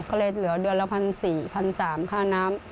ก็เลยเหลือเดือนละ๑๔๐๐๓๐๐ค่าน้ำ